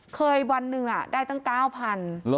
วันหนึ่งได้ตั้ง๙๐๐บาท